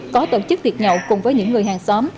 có tổ chức tiệc nhậu cùng với những người hàng xóm